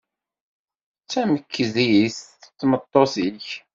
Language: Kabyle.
D tamekdit tmeṭṭut-ik?